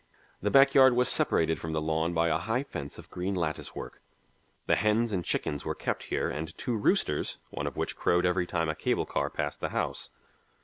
The back yard was separated from the lawn by a high fence of green lattice work. The hens and chickens were kept here and two roosters, one of which crowed every time a cable car passed the house.